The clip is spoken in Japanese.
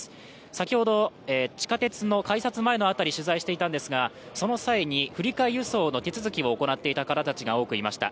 先ほど地下鉄の改札前の辺り取材していたんですがその際に振り替え輸送の手続きを行っていた方たちが多くいました。